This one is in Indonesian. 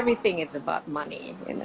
bukan semuanya tentang uang